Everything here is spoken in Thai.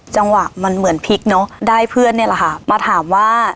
จังหวะมันเหมือนพลิกเนอะได้เพื่อนเนี่ยแหละค่ะมาถามว่า